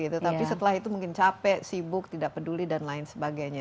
tetapi setelah itu mungkin capek sibuk tidak peduli dan lain sebagainya